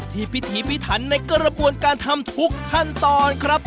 พิธีพิถันในกระบวนการทำทุกขั้นตอนครับ